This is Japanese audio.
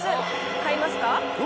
買いますか？